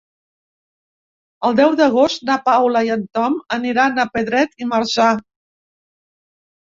El deu d'agost na Paula i en Tom aniran a Pedret i Marzà.